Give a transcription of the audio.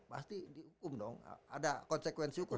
pasti dihukum dong ada konsekuensi hukum